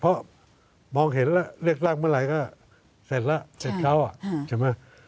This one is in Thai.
เพราะมองเห็นละเรียกตั้งเมื่อไหร่ก็เสร็จละเสร็จเช้า